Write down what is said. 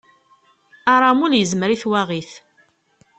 Aramul yezmer i twaɣit.